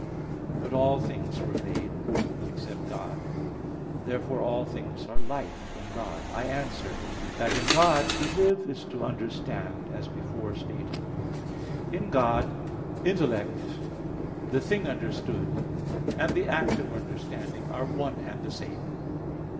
But all things were made, except God. Therefore all things are life in God. I answer that, In God to live is to understand, as before stated (A. 3). In God intellect, the thing understood, and the act of understanding, are one and the same.